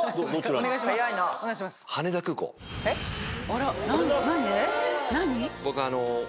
あら。